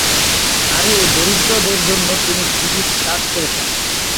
নারী ও দরিদ্রদের জন্য তিনি বিবিধ কাজ করেছেন।